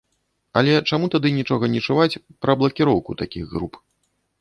Але чаму тады нічога не чуваць пра блакіроўку такіх груп?